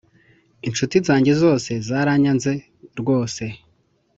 Inshuti zanjye zose zaranyanze rwose